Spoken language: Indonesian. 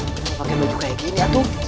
pakai baju kayak gini atuh